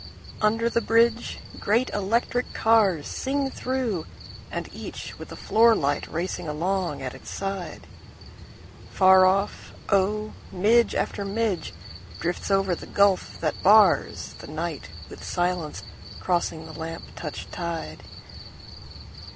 Under the bridgeGreat electric carsSing through, and each with a floor light racing along at its side. Far off, oh, midge after midgeDrifts over the gulf that barsThe night with silence, crossing the lamp touched tide.